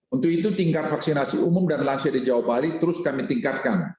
untuk itu tingkat vaksinasi umum dan lansia di jawa bali terus kami tingkatkan